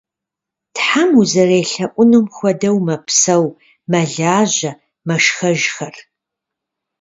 Тхьэм узэрелъэӏунум хуэдэу мэпсэу, мэлажьэ, мэшхэжхэр.